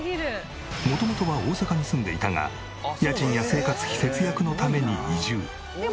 元々は大阪に住んでいたが家賃や生活費節約のために移住。